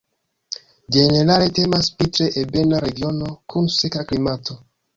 Ĝenerale temas pri tre ebena regiono kun seka klimato.